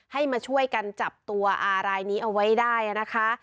ให้มาช่วยกันจับตัวอารายนี้เอาไว้ได้นะคะ